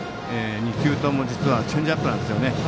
２球ともチェンジアップなんです。